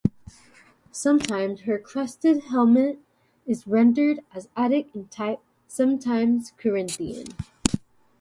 Sometimes her crested helmet is rendered as Attic in type, sometimes Corinthian.